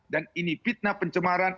dan ini fitnah pencemaran